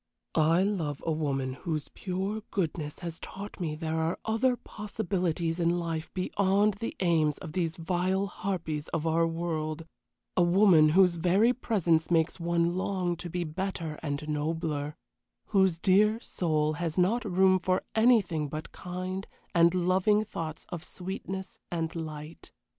"I love a woman whose pure goodness has taught me there are other possibilities in life beyond the aims of these vile harpies of our world a woman whose very presence makes one long to be better and nobler, whose dear soul has not room for anything but kind and loving thoughts of sweetness and light.